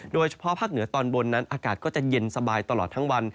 โดยเฉพาะภาคเหนือตอนบนนั้นอากาศก็จะเย็นสบายตลอดทั้งวัน